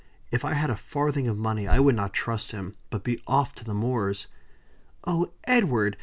If I had a farthing of money I would not trust him, but be off to the moors." "Oh, Edward!